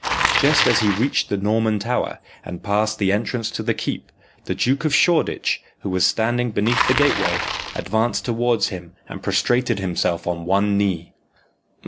Just as he reached the Norman Tower, and passed the entrance to the keep, the Duke of Shoreditch, who was standing beneath the gateway, advanced towards him and prostrated himself on one knee.